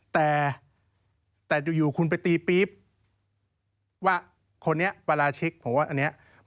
แต่เดี๋ยวคุณไปตีปรี๊บ